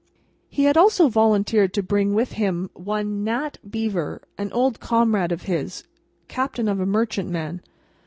He had also volunteered to bring with him one "Nat Beaver," an old comrade of his, captain of a merchantman.